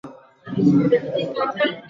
mbinu ya harff inatofautisha vizuri mauaji hayo